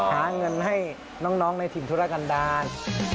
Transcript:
หาเงินให้น้องในถิ่นธุรกันดาล